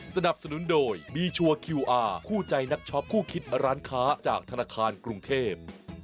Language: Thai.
สนับสนุนโดยบีชัวร์คิวอาร์คู่ใจนักช็อปคู่คิดร้านค้าจากธนาคารกรุงเทพ